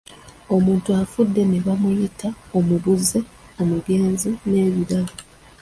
Omuntu afudde ne bamuyita omubuze, omugenzi n'ebirala.